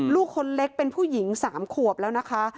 ลูกคนเล็กเป็นผู้หญิง๓ขวบแล้วนะคะ